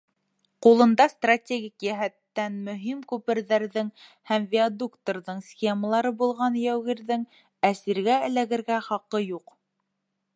Ҡулында стратегик йәһәттән мөһим күперҙәрҙең һәм виадуктарҙың схемалары булған яугирҙең әсиргә эләгергә хаҡы юҡ.